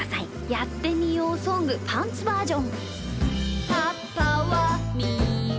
「やってみようソングパンツバージョン」。